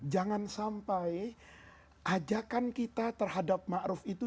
jangan sampai ajakan kita terhadap ma'ruf itu